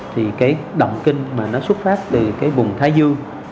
thì cái động kinh mà nó xuất phát từ cái vùng thái dương